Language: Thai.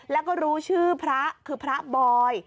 แล้วก็รู้ชื่อพระคือพระบอย